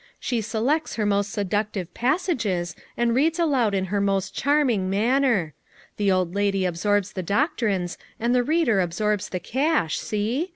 She selects her most seductive passages and reads aloud in her most charming manner. The old lady absorbs the doctrines, and the reader absorbs the cash ; see?